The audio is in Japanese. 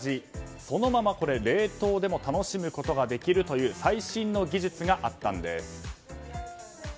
そのまま冷凍でも楽しむことができるという最新の技術があったんです。